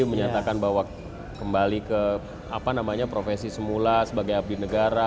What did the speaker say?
menyatakan bahwa kembali ke profesi semula sebagai abdi negara